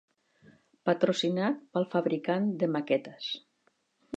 Patrocinat pel fabricant de maquetes.